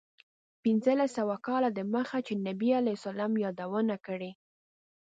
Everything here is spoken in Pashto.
پنځلس سوه کاله دمخه چې نبي علیه السلام یادونه کړې.